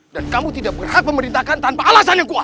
dan kamu tidak berhak pemerintahkan tanpa alasan yang kuat